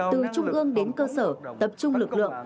từ trung ương đến cơ sở tập trung lực lượng